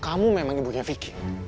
kamu memang ibunya vicky